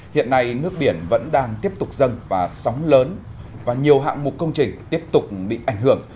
hiện nay nước biển vẫn đang tiếp tục dâng và sóng lớn và nhiều hạng mục công trình tiếp tục bị ảnh hưởng